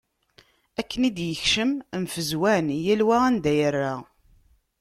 Akken i d-yekcem, mfezwan. Yal wa anda yerra.